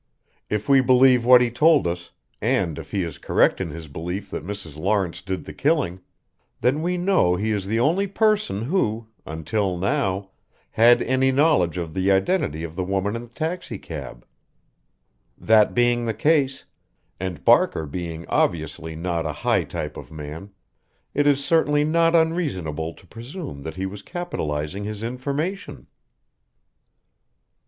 If we believe what he told us, and if he is correct in his belief that Mrs. Lawrence did the killing, then we know he is the only person who until now had any knowledge of the identity of the woman in the taxicab. That being the case, and Barker being obviously not a high type of man, it is certainly not unreasonable to presume that he was capitalizing his information."